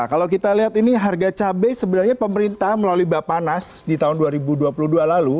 kalau kita lihat ini harga cabai sebenarnya pemerintah melalui bapak nas di tahun dua ribu dua puluh dua lalu